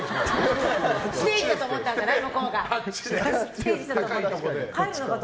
ステージだと思ったんじゃない？